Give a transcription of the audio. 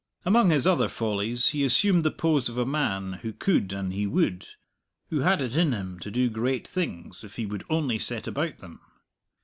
Among his other follies, he assumed the pose of a man who could an he would who had it in him to do great things, if he would only set about them.